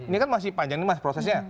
ini kan masih panjang prosesnya